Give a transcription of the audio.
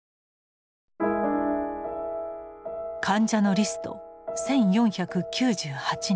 患者のリスト１，４９８人。